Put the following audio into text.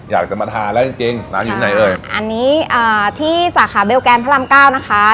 อยากจะมาทานแล้วจริงจริงร้านอยู่ที่ไหนเอ่ยอันนี้อ่าที่สาขาเบลแกนพระรามเก้านะคะ